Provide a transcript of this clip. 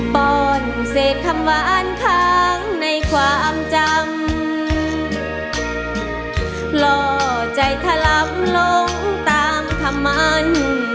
ป้อนเศษคำหวานค้างในความจำหล่อใจถล่ำลงตามคำมัน